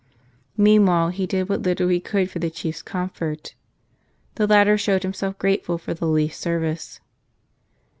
Meanwhile he did what little he could for the chief's comfort. The latter showed him¬ self grateful for the least service.